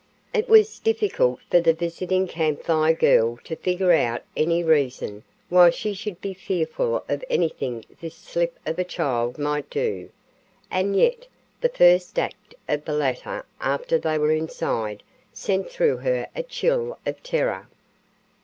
It was difficult for the visiting Camp Fire girl to figure out any reason why she should be fearful of anything this slip of a child might do, and yet the first act of the latter after they were inside sent through her a chill of terror.